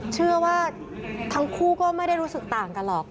เชื่อว่าทั้งคู่ก็ไม่ได้รู้สึกต่างกันหรอก